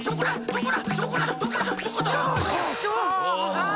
ああ。